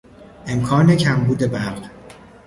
امکان کمبود برق